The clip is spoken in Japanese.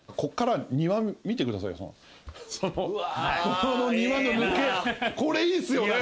ここの庭の抜けこれいいっすよね。